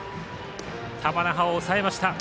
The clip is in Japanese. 玉那覇を抑えました。